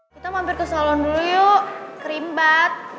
kita mampir ke salon dulu yuk krim bat